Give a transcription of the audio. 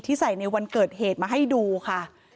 ใส่ในวันเกิดเหตุมาให้ดูค่ะ